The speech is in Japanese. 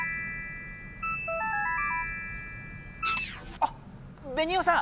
「あっベニオさん！